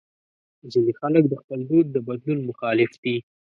ځینې خلک د خپل دود د بدلون مخالف دي.